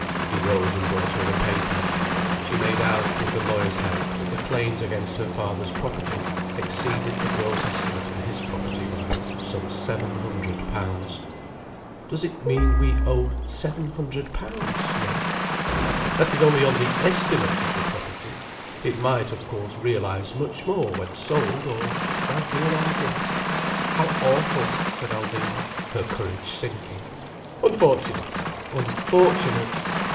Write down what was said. He rose and brought her a paper. She made out, with the lawyer's help, that the claims against her father's property exceeded the gross estimate of his property by some seven hundred pounds. "Does it mean we owe seven hundred pounds?" she asked. "That is only on the estimate of the property. It might, of course, realize much more, when sold—or it might realize less." "How awful!" said Alvina, her courage sinking. "Unfortunate! Unfortunate!